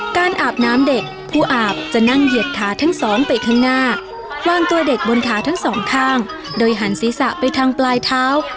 การอาบน้ำเด็กผู้อาบจะนั่งเหยียดขาทั้งสองไปข้างหน้าวางตัวเด็กบนขาทั้งสองข้างโดยหันศีรษะไปทางปลายเท้า